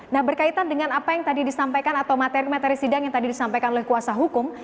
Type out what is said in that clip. nah berkaitan dengan apa yang tadi disampaikan atau materi materi sidang yang tadi disampaikan oleh kuasa hukum